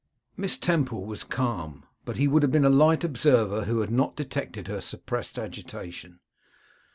Miss Temple was calm; but he would have been a light observer who had not detected her suppressed agitation.